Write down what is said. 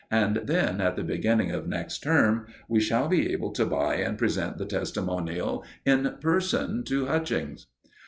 And then, at the beginning of next term, we shall be able to buy and present the testimonial in person to Hutchings."